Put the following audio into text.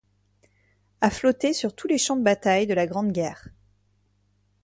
A flotté sur tous les champs de bataille de la Grande Guerre.